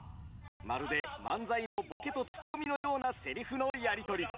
まるで漫才のボケとツッコミのようなセリフのやり取り。